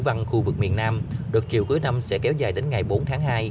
văn khu vực miền nam đợt chiều cuối năm sẽ kéo dài đến ngày bốn tháng hai